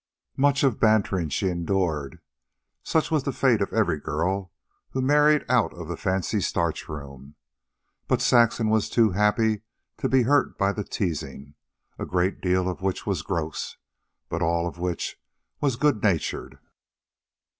Much of bantering she endured; such was the fate of every girl who married out of the fancy starch room. But Saxon was too happy to be hurt by the teasing, a great deal of which was gross, but all of which was good natured.